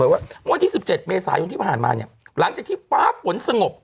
ว่าวันที่๑๗เมษายนที่ผ่านมาเนี่ยหลังจากที่ฟ้าฝนสงบ